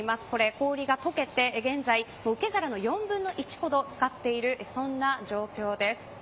氷が解けて、現在受け皿の４分の１ほど漬かっている状況です。